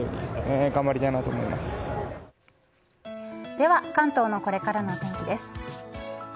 では関東のこれからのお天気です。